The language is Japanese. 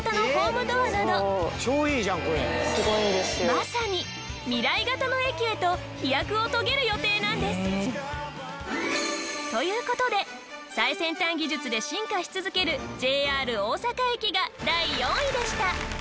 まさに未来型の駅へと飛躍を遂げる予定なんです。という事で最先端技術で進化し続けるＪＲ大阪駅が第４位でした。